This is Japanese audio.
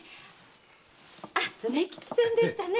常吉さんでしたね